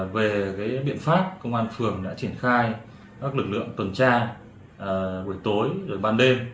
về biện pháp công an phường đã triển khai các lực lượng tuần tra buổi tối ban đêm